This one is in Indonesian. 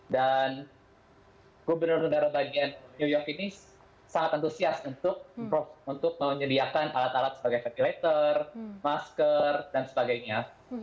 dan gubernur gubernur bagian new york ini sangat antusias untuk menyediakan alat alat sebagai ventilator masker dan sebagainya